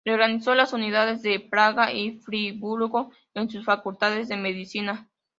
Reorganizó las universidades de Praga y Friburgo en sus Facultades de medicina.